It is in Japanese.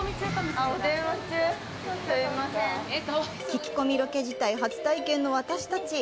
聞き込みロケ自体初体験の私たち